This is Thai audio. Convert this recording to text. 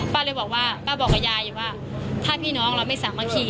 เลยบอกว่าป้าบอกกับยายอยู่ว่าถ้าพี่น้องเราไม่สามารถขี่